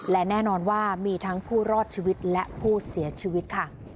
และแน่นอนว่ามีทั้งผู้รอดชีวิตและผู้เสียชีวิตค่ะ